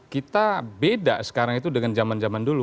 kita beda sekarang itu dengan zaman zaman dulu